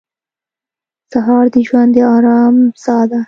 سهار د ژوند د ارام ساه ده.